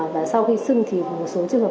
và sau khi xưng thì một số trường hợp